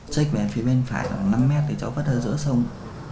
trách về phía bên phải năm mét thì cháu vất ở giữa sông